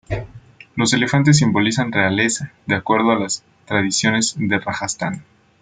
Los elefantes simbolizan realeza, de acuerdo a las tradiciones de Rajastán.